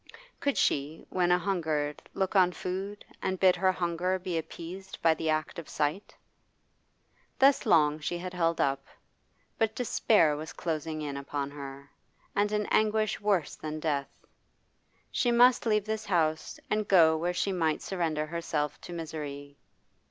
Could she, when a hungered, look on food, and bid her hunger be appeased by the act of sight? Thus long she had held up, but despair was closing in upon her, and an anguish worse than death. She must leave this house and go where she might surrender herself to misery.